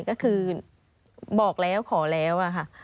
ก็คือบอกแล้วขอแล้วอะค่ะ